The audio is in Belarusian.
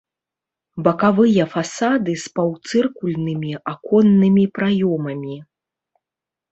Бакавыя фасады з паўцыркульнымі аконнымі праёмамі.